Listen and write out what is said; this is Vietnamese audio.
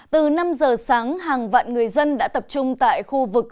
từ năm giờ sáng hàng vạn người dân đã tập trung tại khu vực